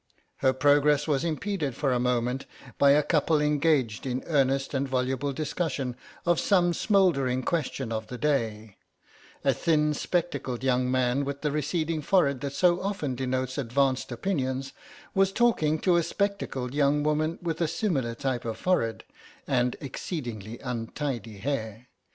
Her progress was impeded for a moment by a couple engaged in earnest and voluble discussion of some smouldering question of the day; a thin spectacled young man with the receding forehead that so often denotes advanced opinions, was talking to a spectacled young woman with a similar type of forehead, and exceedingly untidy hair.